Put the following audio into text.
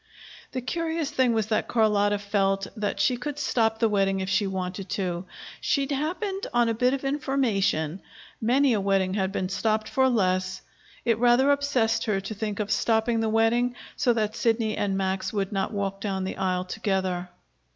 The curious thing was that Carlotta felt that she could stop the wedding if she wanted to. She'd happened on a bit of information many a wedding had been stopped for less. It rather obsessed her to think of stopping the wedding, so that Sidney and Max would not walk down the aisle together.